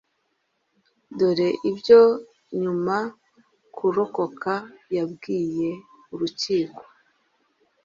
dore ibyo nyuma kurokoka yabwiye urukiko,